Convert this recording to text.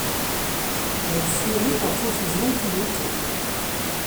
Elle fleurit à profusion tout l'été.